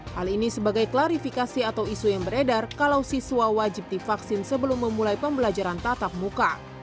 hal ini sebagai klarifikasi atau isu yang beredar kalau siswa wajib divaksin sebelum memulai pembelajaran tatap muka